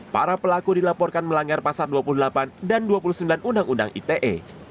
para pelaku dilaporkan melanggar pasar dua puluh delapan dan dua puluh sembilan undang undang ite